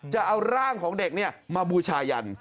จะเอาร่างของเด็กมาบูชายัน